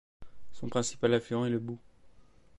Son principal affluent est le Boug.